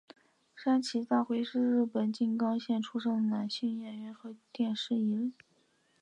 山崎大辉是日本静冈县出生的男性演员和电视艺人。